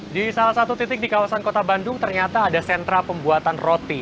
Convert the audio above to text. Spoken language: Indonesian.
di salah satu titik di kawasan kota bandung ternyata ada sentra pembuatan roti